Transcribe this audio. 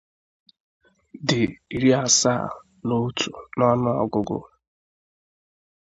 dị iri asaa na otu n'ọnụ ọgụgụ